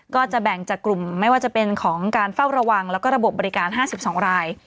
ก็จะแบ่งจากกลุ่มไม่ว่าจะเป็นของการเฝ้าระวังแล้วก็ระบบบบริการ๕๒ราย